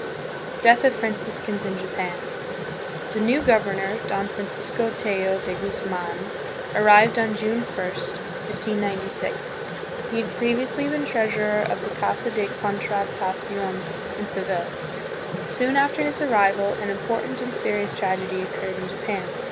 Death of Franciscans in Japan. The new governor, Don Francisco Tello de Guzman, arrived on June 1, 1596. He had previously been treasurer of the Casa de Contrata cion in Seville. Soon after his arrival an important and serious tragedy occurred in Japan.